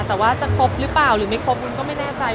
แต่ว่าจะครบหรือเปล่าหรือไม่ครบวุ้นก็ไม่แน่ใจ